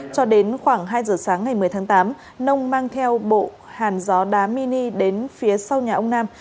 cho đến khoảng hai giờ sáng ngày một mươi tháng tám nông mang theo bộ hàn gió đá mini đến phía sau nhà ông nam